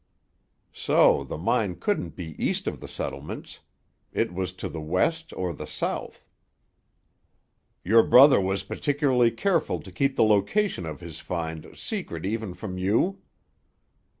So the mine couldn't be east of the settlements. It was to the west or the south. "Your brother was particularly careful to keep the location of his find secret even from you?"